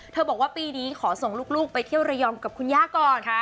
บอกว่าปีนี้ขอส่งลูกไปเที่ยวระยองกับคุณย่าก่อน